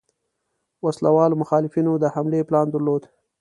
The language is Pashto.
وسله والو مخالفینو د حملې پلان درلود.